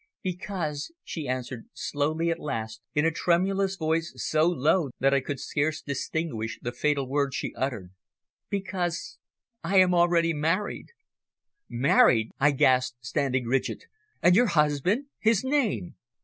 "Because," she answered slowly at last in a tremulous voice so low that I could scarce distinguish the fatal words she uttered, "because I am already married!" "Married!" I gasped, standing rigid. "And your husband! His name!"